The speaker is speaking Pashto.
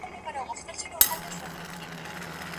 نه دښمن ته ضرر رسولای سي.